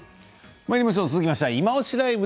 続きましては「いまオシ！ＬＩＶＥ」